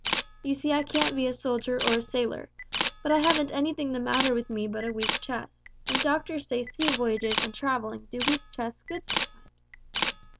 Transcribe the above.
You see I can't be a soldier or sailor, but I haven't anything the matter with me but a weak chest, and doctors say sea voyages and travelling do weak chests good sometimes.